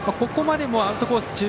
ここまでもアウトコース